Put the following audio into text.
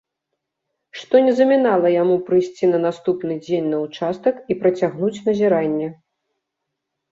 Што не замінала яму прыйсці на наступны дзень на ўчастак і працягнуць назіранне.